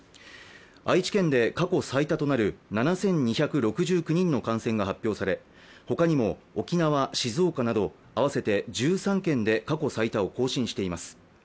愛知県で過去最多となる７２６９人の感染が発表され、ほかにも沖縄、静岡など合わせて１３県で過去最多を更新しています。